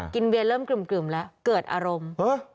เวียนเริ่มกลึ่มแล้วเกิดอารมณ์